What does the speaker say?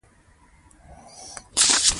غازيان په پردي ځواک پسې ځي.